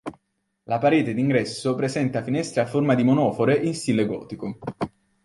La parete d'ingresso presenta finestre a forma di monofore in stile gotico.